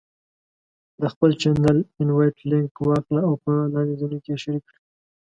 د خپل چینل Invite Link واخله او په لاندې ځایونو کې یې شریک کړه: